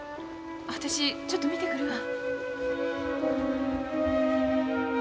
私ちょっと見てくるわ。